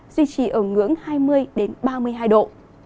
duy trì ở ngưỡng hai mươi ba mươi hai độ